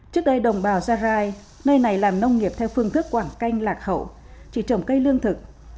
trước đây đồng bào gia rai nơi này làm nông nghiệp theo phương thức quảng canh lạc hậu chỉ trồng cây lương thực